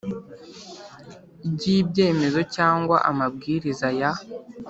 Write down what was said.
ry ibyemezo cyangwa amabwiriza ya